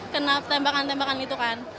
kena tembakan tembakan itu kan